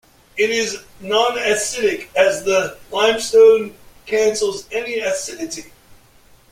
It is non-acidic as the limestone cancels any acidity.